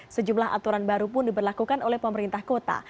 sejumlah aturan baru pun diberlakukan oleh pemerintah kota